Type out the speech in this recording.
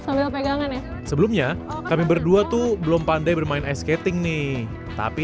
sarung tangan jadi jangan lupa ya sebelumnya kami berdua tuh belum pandai bermain skating nih tapi